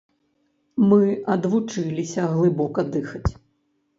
Мы адвучыліся глыбока дыхаць.